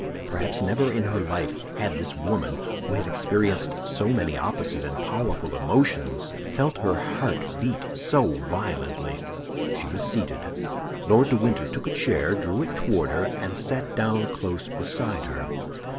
Perhaps never in her life had this woman, who had experienced so many opposite and powerful emotions, felt her heart beat so violently. She was seated. Lord de Winter took a chair, drew it toward her, and sat down close beside her.